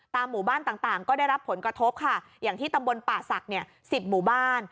ตามหมู่บ้านต่างก็ได้รับผลกระทบค่ะอย่างที่ตำบลป่าศักดิ์๑๐หมู่บ้าน